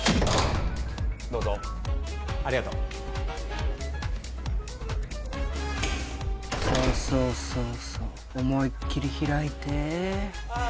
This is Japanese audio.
どうぞありがとうそうそうそうそう思いっきり開いてああ